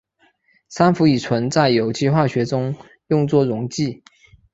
三氟乙醇在有机化学中用作溶剂。